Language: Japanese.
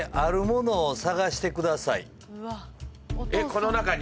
この中に？